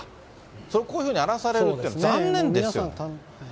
そこをこういうふうに荒らされるって残念ですよね。